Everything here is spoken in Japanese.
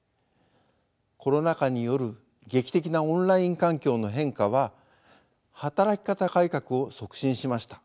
コロナ禍による劇的なオンライン環境の変化は働き方改革を促進しました。